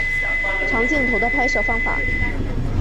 长镜头的拍摄方法。